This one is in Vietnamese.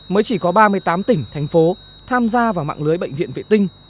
mới chỉ có ba mươi tám tỉnh thành phố tham gia vào mạng lưới bệnh viện vệ tinh